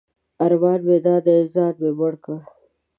ارمان مې دا دی ځان مې مړ کړ.